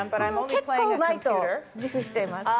結構うまいと自負しています。